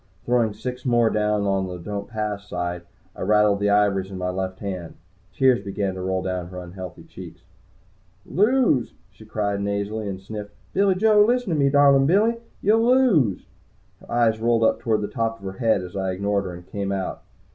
Throwing six more down on the "Don't Pass" side, I rattled the ivories in my left hand. Tears began to roll down her unhealthy cheeks. "Lose!" she cried nasally, and sniffled. "Billy Joe! Listen to me, darlin' Billy! You'll lose!" Her eyes rolled up toward the top of her head as I ignored her and came out.